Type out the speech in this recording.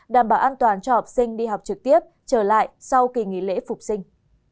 đảm bảo an toàn cho học sinh đi học trực tiếp trở lại sau kỳ nghỉ lễ phục sinh